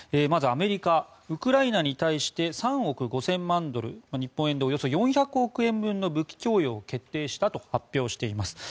まずアメリカウクライナに対して３億５０００万ドル日本円でおよそ４００億円分の武器供与を決定したと発表しています。